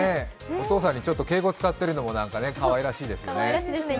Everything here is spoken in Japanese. お父さんにちょっと敬語使っているのもかわいらしいですね。